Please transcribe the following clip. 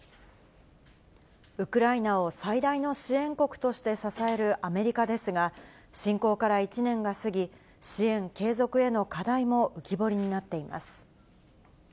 ウクライナを最大の支援国として支えるアメリカですが、侵攻から１年が過ぎ、支援継続への課題も浮き彫りになっています。